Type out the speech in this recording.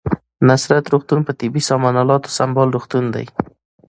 نصرت روغتون په طبي سامان الاتو سمبال روغتون دی